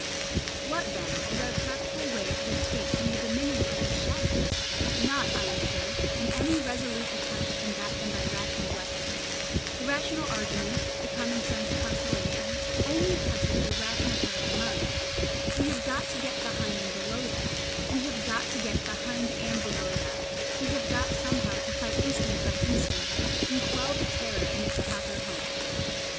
What then is our practical way of escape from the dominion of these shadows? Not, I am sure, in any resolute attempt to combat them by rational weapons; the rational argument, the common sense consolation, only touches the rational part of the mind; we have got to get behind and below that, we have got somehow to fight instinct by instinct, and quell the terror in its proper home.